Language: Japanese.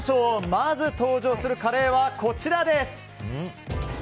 まず、登場するカレーはこちらです。